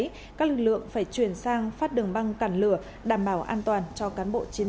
các lực lượng phải chuyển sang phát đường băng cản lửa đảm bảo an toàn cho cán bộ chiến sĩ tham gia chữa cháy